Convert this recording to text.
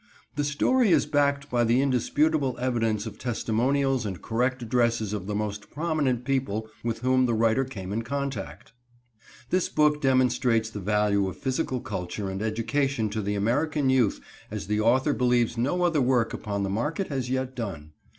The story is backed by the indisputable evidence of testimonials and correct addresses of the most prominent people with whom the writer came in contact. This book demonstrates the value of physical culture and education to the American youth as the author believes no other work upon the market has yet done.